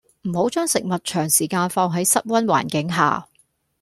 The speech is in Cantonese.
唔好將食物長時間放喺室溫環境下